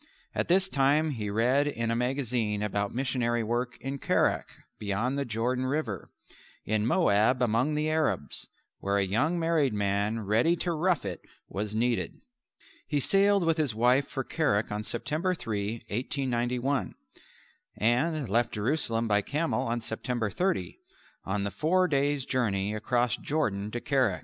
At this time he read in a magazine about missionary work in Kerak beyond the River Jordan in Moab among the Arabs where a young married man ready to rough it was needed. He sailed with his wife for Kerak on September 3, 1891, and left Jerusalem by camel on September 30, on the four days' journey across Jordan to Kerak.